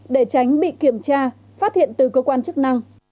để tránh bị kiểm tra phát hiện từ cơ quan chức năng